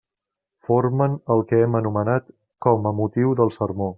Formen el que hem anomenat com a motiu del sermó.